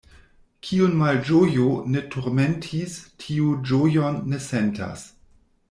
Kiun malĝojo ne turmentis, tiu ĝojon ne sentas.